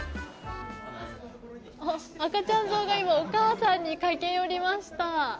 赤ちゃんゾウがお母さんに駆け寄りました。